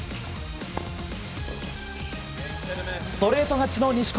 ストレート勝ちの錦織。